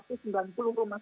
pemantauan tersebut masih